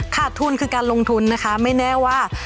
ขาดทุนคือการลงทุนนะคะไม่แน่ว่า